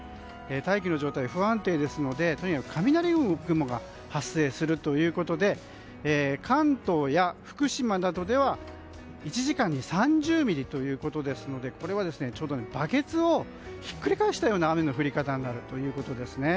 大気の状態が不安定ですのでとにかく雷雲が発生するということで関東や福島などでは１時間に３０ミリということですのでバケツをひっくり返したような雨の降り方になるということです。